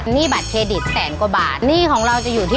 หนี้บัตรเครดิตแสนกว่าบาท